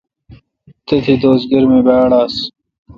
تھتی دوس گرمی باڑ آس۔